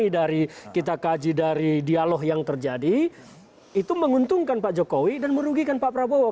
dan merugikan pak prabowo